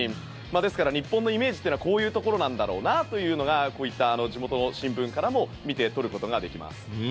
ですから日本のイメージというのはこういうところなんだろうなというのがこういった地元新聞からも見て取れることができます。